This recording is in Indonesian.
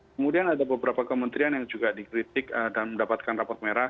kemudian ada beberapa kementerian yang juga dikritik dan mendapatkan rapot merah